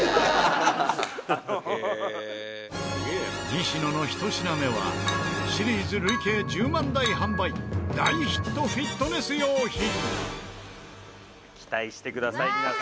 西野の１品目はシリーズ累計１０万台販売大ヒットフィットネス用品。